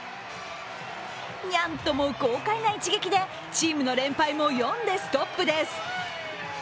ニャンとも豪快な一撃でチームの連敗も４でストップです。